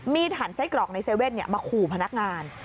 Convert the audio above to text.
มีดหั่นไส้กรอกในเซเว่นมาขู่พนักงาน